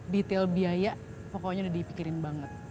detail biaya pokoknya udah dipikirin banget